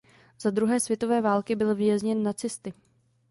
Za druhé světové války byl vězněn nacisty.